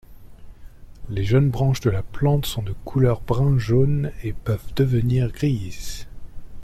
Les jeunes branches de la plante sont de couleur brun-jaune et peuvent devenir grises.